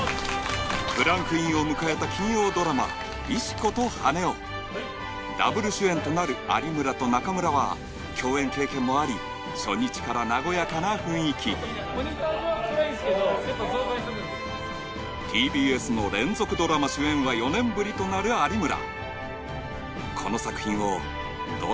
クランクインを迎えた金曜ドラマ「石子と羽男」Ｗ主演となる有村と中村は共演経験もあり初日から和やかな雰囲気ＴＢＳの連続ドラマ主演は４年ぶりとなる有村